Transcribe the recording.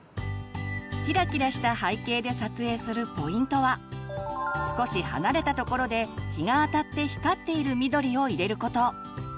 キラキラした背景で撮影するポイントは少し離れたところで日があたって光っている緑を入れること。